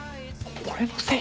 俺のせい？